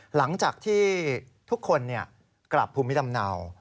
หลังจากที่ทุกคนกลับภูมิลำเนา